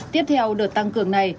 tiếp theo đợt tăng cường này